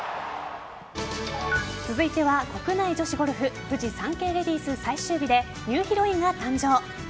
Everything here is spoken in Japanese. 続いては国内女子ゴルフフジサンケイレディス最終日でニューヒロインが誕生。